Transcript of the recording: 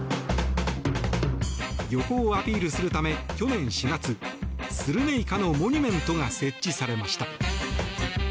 漁港をアピールするため去年４月スルメイカのモニュメントが設置されました。